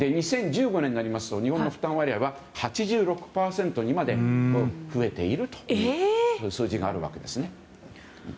２０１５年になりますと日本の負担割合は８６％にまで増えているという数字があるわけです。